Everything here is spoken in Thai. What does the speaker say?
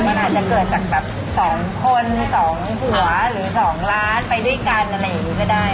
มันอาจจะเกิดจากแบบ๒คน๒หัวหรือ๒ล้านไปด้วยกันอะไรอย่างนี้ก็ได้